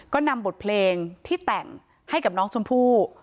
ก็นำบทเพลงที่แต่งให้กับน้องชมพู่